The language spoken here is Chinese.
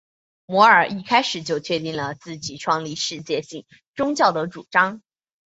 摩尼一开始就确定了自己创立世界性宗教的主张。